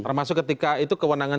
termasuk ketika itu kewenangan